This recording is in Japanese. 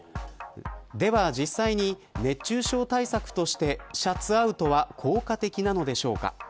では、実際に熱中症対策としてシャツアウトは効果的なのでしょうか。